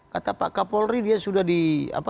kata pak kapolri dia sudah di apa